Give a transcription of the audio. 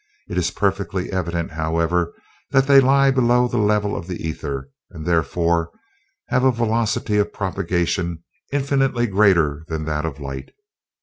It is perfectly evident, however, that they lie below the level of the ether, and therefore have a velocity of propagation infinitely greater than that of light.